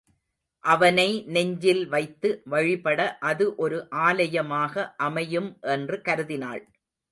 அவனை நெஞ்சில் வைத்து வழிபட அது ஒரு ஆலயமாக அமையும் என்று கருதினாள்.